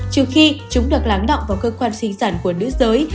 trừ khi chúng được lắng động vào cơ quan sinh sản của nữ giới